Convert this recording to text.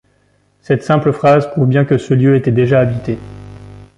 Cette simple phrase prouve bien que ce lieu était déjà habité.